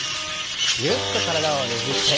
ぎゅっと体をねじって。